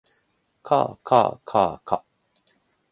かあかあかあか